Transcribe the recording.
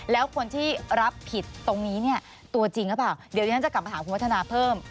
แล้วคนที่รับผิดตรงนี้เนี่ยตัวจริงหรือเปล่าเดี๋ยวที่ฉันจะกลับมาถามคุณวัฒนาเพิ่ม